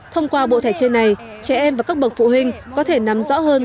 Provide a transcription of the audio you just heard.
thông qua bộ thẻ chơi này trẻ em và các bậc phụ huynh có thể nắm rõ hơn